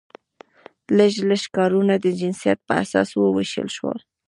لږ لږ کارونه د جنسیت په اساس وویشل شول.